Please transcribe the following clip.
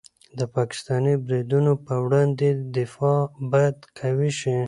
د پاکستاني بریدونو په وړاندې دفاع باید قوي شي.